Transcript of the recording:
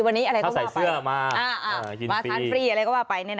ถ้าใส่เสื้อมายินฟรี